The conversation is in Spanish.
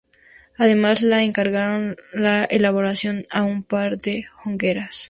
Además le encargaron la elaboración de un par de hogueras.